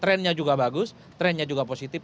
trendnya juga bagus trennya juga positif